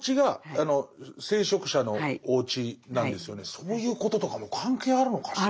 そういうこととかも関係あるのかしら？